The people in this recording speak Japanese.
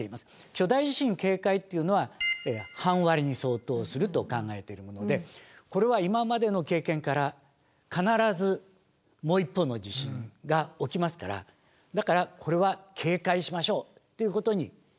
巨大地震警戒っていうのは半割れに相当すると考えているものでこれは今までの経験から必ずもう一方の地震が起きますからだからこれは警戒しましょうっていうことにしました。